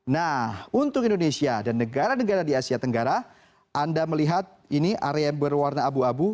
nah untuk indonesia dan negara negara di asia tenggara anda melihat ini area yang berwarna abu abu